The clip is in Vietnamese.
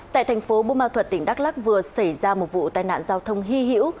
tại thành phố bô ma thuật tỉnh đắk lắc vừa xảy ra một vụ tai nạn giao thông hy hữu